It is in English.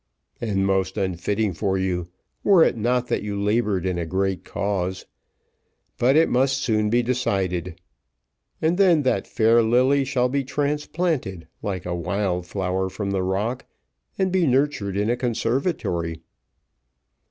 "And most unfitting for you, were it not that you laboured in a great cause; but it must soon be decided, and then that fair lily shall be transplanted, like a wild flower from the rock, and be nurtured in a conservatory."